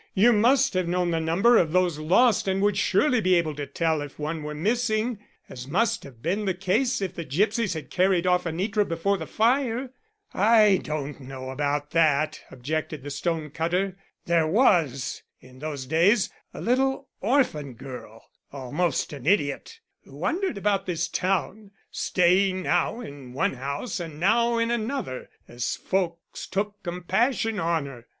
"You must have known the number of those lost and would surely be able to tell if one were missing, as must have been the case if the gipsies had carried off Anitra before the fire." "I don't know about that," objected the stone cutter. "There was, in those days, a little orphan girl, almost an idiot, who wandered about this town, staying now in one house and now in another as folks took compassion on her.